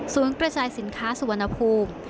กระจายสินค้าสุวรรณภูมิ